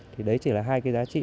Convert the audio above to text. thì đấy chỉ là hai cái giá trị